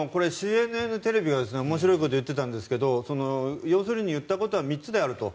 ＣＮＮテレビが面白いことを言っていたんですが要するに言ったことは３つであると。